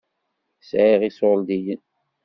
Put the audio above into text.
Sɛiɣ iṣuṛdiyen.